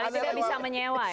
tidak bisa menyewa ya